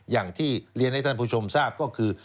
อย่างที่เรียนให้ท่านผู้ชมทราบก็คือ